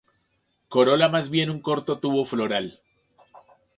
Corola más bien un corto tubo floral.